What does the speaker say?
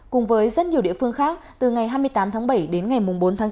cùng với rất nhiều địa phương khác từ ngày hai mươi tám tháng bảy đến ngày bốn tháng chín